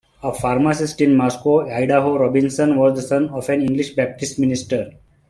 A pharmacist in Moscow, Idaho, Robinson was the son of an English Baptist minister.